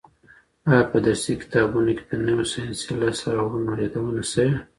آیا په درسي کتابونو کي د نویو ساینسي لاسته راوړنو یادونه سوي؟